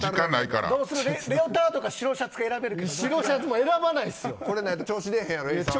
レオタードか白シャツか選べるけど、どう。